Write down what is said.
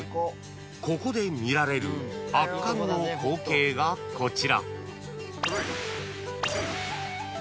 ここで見られる圧巻の光景がこちら］